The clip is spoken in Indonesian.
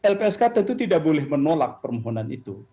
lpsk tentu tidak boleh menolak permohonan itu